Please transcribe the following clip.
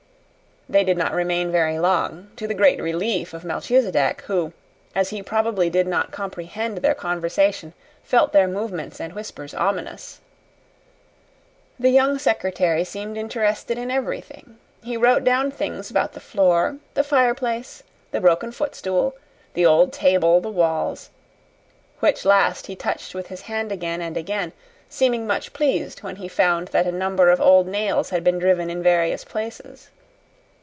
They did not remain very long, to the great relief of Melchisedec, who, as he probably did not comprehend their conversation, felt their movements and whispers ominous. The young secretary seemed interested in everything. He wrote down things about the floor, the fireplace, the broken footstool, the old table, the walls which last he touched with his hand again and again, seeming much pleased when he found that a number of old nails had been driven in various places.